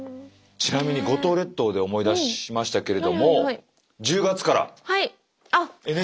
ちなみに五島列島で思い出しましたけれども１０月からＮＨＫの朝ドラ。